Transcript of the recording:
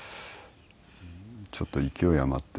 ちょっと勢い余って。